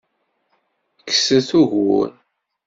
Kkset ugur!